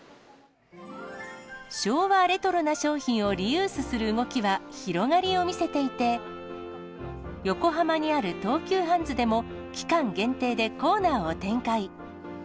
昭和レトロな商品をリユースする動きは、広がりを見せていて、横浜にある東急ハンズでも、期間限定でコーナーを展開。